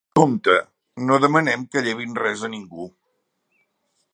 Compte, no demanem que llevin res a ningú.